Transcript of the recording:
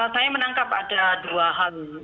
saya menangkap ada dua hal